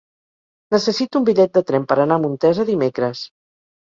Necessito un bitllet de tren per anar a Montesa dimecres.